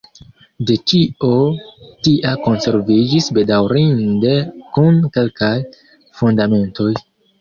De ĉio tia konserviĝis bedaŭrinde nur kelkaj fundamentoj.